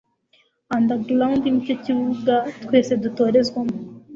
underground nicyo kibuga twese dutorezwamo